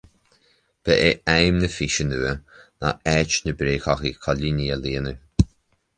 Ba é aidhm na físe nua ná áit na bréagshochaí coilíní a líonadh